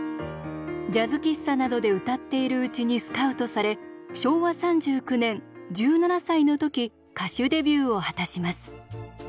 ジャズ喫茶などで歌っているうちにスカウトされ昭和３９年１７歳の時歌手デビューを果たします。